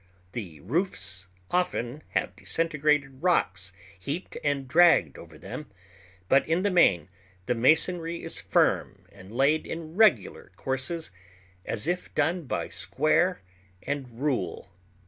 The roofs often have disintegrated rocks heaped and draggled over them, but in the main the masonry is firm and laid in regular courses, as if done by square and rule.